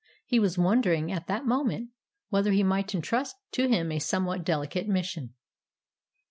He was wondering at that moment whether he might entrust to him a somewhat delicate mission.